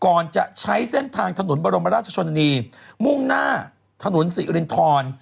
ก่อนจะใช้เส้นทางถนนบรมราชชนนีมุ่งหน้าถนนสิรินทร